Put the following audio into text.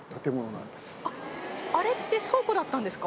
あれって倉庫だったんですか。